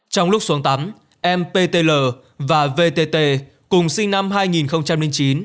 trong lúc xuống tắm em ptl và vtt cùng sinh năm hai nghìn chín